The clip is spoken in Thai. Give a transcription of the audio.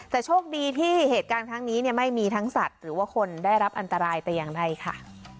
แต่โชคดีที่เหตุการณ์ครั้งนี้ไม่มีทั้งสัตว์หรือว่าคนได้รับอันตรายแต่อย่างใดค่ะ